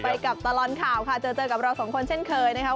ไปกับตลอดข่าวค่ะเจอเจอกับเราสองคนเช่นเคยนะครับ